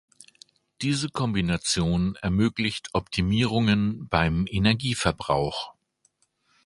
Diese Kombination ermöglicht Optimierungen beim Energieverbrauch.